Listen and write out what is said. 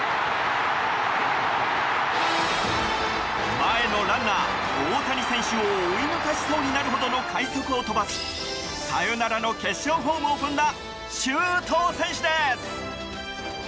前のランナー大谷選手を追い抜かしそうになるほどの快足を飛ばしサヨナラの決勝ホームを踏んだ周東選手です！